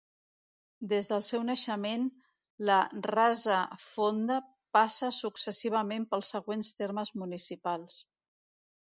Des del seu naixement, la Rasa Fonda passa successivament pels següents termes municipals.